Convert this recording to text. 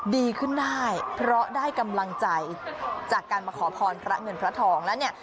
ดีขึ้นได้เพราะได้กำลังใจจากการมาขอพรพระเงินพระทองแล้วเนี่ย